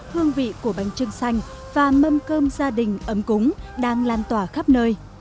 hương vị của bánh trưng xanh và mâm cơm gia đình ấm cúng đang lan tỏa khắp nơi